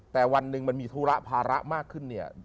แต่วันหนึ่งมันมีธุระภาระมากขึ้นเนี่ย